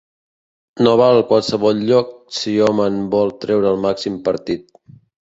No val qualsevol lloc si hom en vol treure el màxim partit.